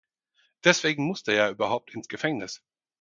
Deswegen musste er ja überhaupt ins Gefängnis.